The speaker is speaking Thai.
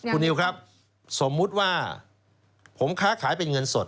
คุณนิวครับสมมุติว่าผมค้าขายเป็นเงินสด